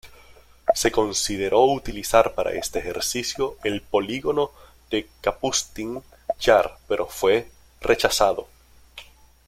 Se consideró utilizar para este ejercicio el Polígono de Kapustin Yar, pero fue rechazado.